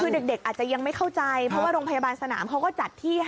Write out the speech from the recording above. คือเด็กอาจจะยังไม่เข้าใจเพราะว่าโรงพยาบาลสนามเขาก็จัดที่ให้